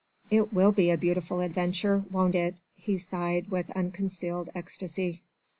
"It will be a beautiful adventure, won't it?" he sighed with unconcealed ecstasy.